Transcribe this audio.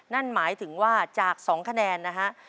นั่นหมายถึงว่าจาก๒คะแนนนะฮะ